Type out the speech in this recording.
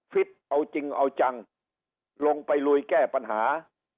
ฟิตเอาจริงเอาจังลงไปลุยแก้ปัญหา